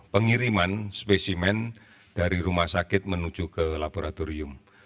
pengiriman spesimen dari rumah sakit menuju ke laboratorium